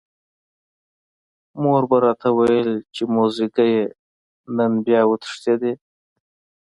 مور به راته ویل چې موزیګیه نن بیا وتښتېدې.